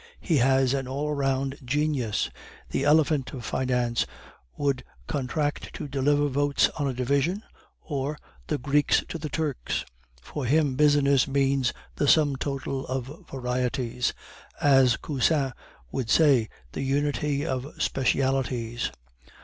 He has an all round genius. The elephant of finance would contract to deliver votes on a division, or the Greeks to the Turks. For him business means the sum total of varieties; as Cousin would say, the unity of specialties.